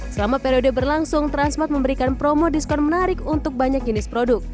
selama periode berlangsung transmart memberikan promo diskon menarik untuk banyak jenis produk